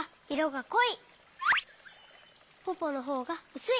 ポポのほうがうすい。